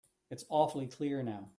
It's awfully clear now.